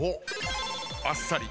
あっさり。